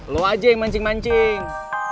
lo aja yang mancing mancing